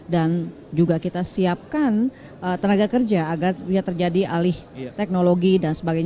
dan juga kita siapkan tenaga kerja agar bisa terjadi alih teknologi dan sebagainya